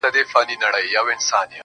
گوره را گوره وه شپوږمۍ ته گوره.